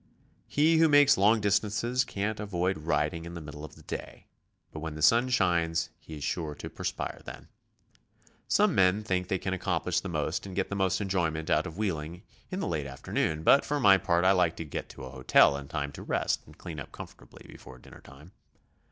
He who makes long distances can't avoid riding in the middle of the day, but when the sun shines, he is sure to perspire then. Some men think they can accomplish the most and get the most enjoyment out of wheeling in the late BICYCLE TOURING. 119 afternoon, but for my part 1 like to get to a hotel in time to rest and clean up comfortably before dinner time.